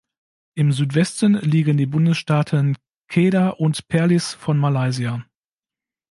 Im Südwesten liegen die Bundesstaaten Kedah und Perlis von Malaysia.